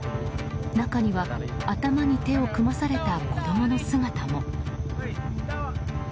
中には頭に手を組まされた子供の姿も。